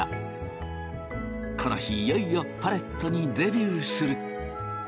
この日いよいよパレットにデビューする！